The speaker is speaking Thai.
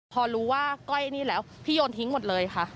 พอรู้ว่าก้อยนี่แล้วพี่โยนทิ้งหมดเลยค่ะ